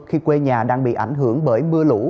khi quê nhà đang bị ảnh hưởng bởi mưa lũ